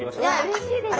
うれしいです。